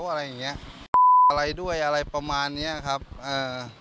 อะไรอย่างเงี้ยอะไรด้วยอะไรประมาณเนี้ยครับเอ่อ